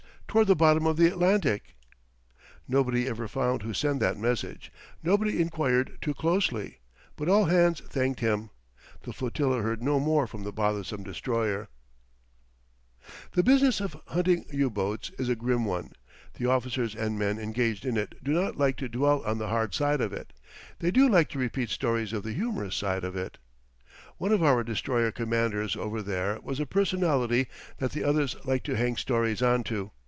TOWARD THE BOTTOM OF THE ATLANTIC. Nobody ever found who sent that message; nobody inquired too closely; but all hands thanked him. The flotilla heard no more from the bothersome destroyer. The business of hunting U boats is a grim one. The officers and men engaged in it do not like to dwell on the hard side of it. They do like to repeat stories of the humorous side of it. One of our destroyer commanders over there has a personality that the others like to hang stories onto.